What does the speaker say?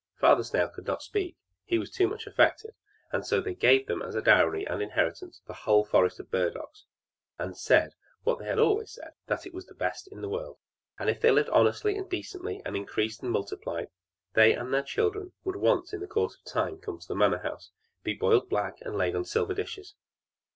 Father Snail could not speak, he was too much affected; and so they gave them as a dowry and inheritance, the whole forest of burdocks, and said what they had always said that it was the best in the world; and if they lived honestly and decently, and increased and multiplied, they and their children would once in the course of time come to the manor house, be boiled black, and laid on silver dishes.